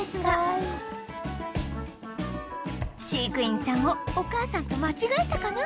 飼育員さんをお母さんと間違えたかな？